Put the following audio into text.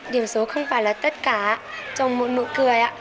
điểm số không phải là tất cả trong một nụ cười ạ